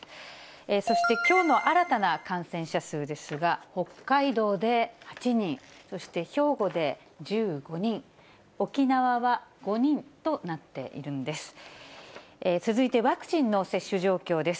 そしてきょうの新たな感染者数ですが、北海道で８人、そして、兵庫で１５人、沖縄は５人となっているんです。